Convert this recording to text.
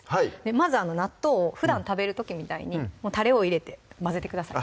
まず納豆をふだん食べる時みたいにたれを入れて混ぜてください